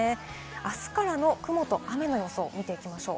あすからの雲と雨の様子を見ていきましょう。